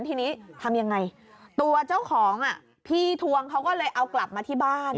ทีนี้ทำยังไงตัวเจ้าของพี่ทวงเขาก็เลยเอากลับมาที่บ้าน